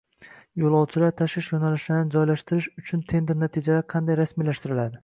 Yo‘lovchilar tashish yo‘nalishlarini joylashtirish uchun tender natijalari qanday rasmiylashtiriladi?